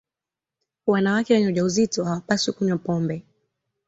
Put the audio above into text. wanawake wenye ujauzito hawapaswi kunywa pombe